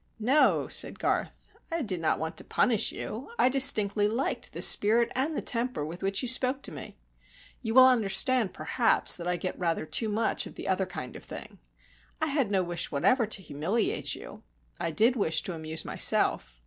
"No," said Garth, "I did not want to punish you. I distinctly liked the spirit and the temper with which you spoke to me. You will understand, perhaps, that I get rather too much of the other kind of thing. I had no wish whatever to humiliate you. I did wish to amuse myself.